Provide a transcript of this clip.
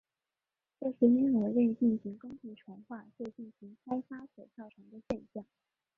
这是因为未进行耕地重划就进行开发所造成的现象。